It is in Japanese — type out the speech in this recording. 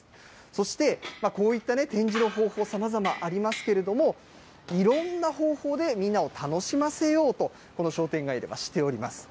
そして、こういった展示の方法、さまざまありますけれども、いろんな方法でみんなを楽しませようとこの商店街はしております。